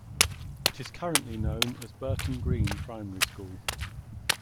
It is currently known as Burton Green Primary School.